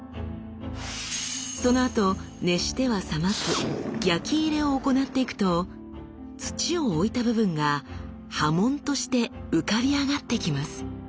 そのあと熱しては冷ます焼き入れを行っていくと土を置いた部分が刃文として浮かび上がってきます。